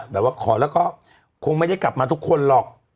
แบบว่าขอแล้วก็คงไม่ได้กลับมาทุกคนหรอก